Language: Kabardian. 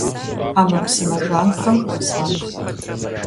Ӏэмэпсымэ жанхэм хуэсакъ.